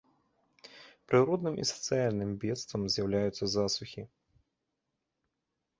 Прыродным і сацыяльным бедствам з'яўляюцца засухі.